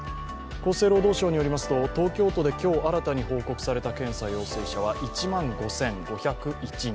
厚生労働省によりますと東京都で今日新たに報告された検査陽性者は１万５５０１人。